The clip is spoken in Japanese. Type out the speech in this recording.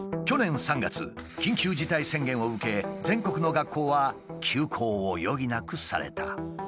去年３月緊急事態宣言を受け全国の学校は休校を余儀なくされた。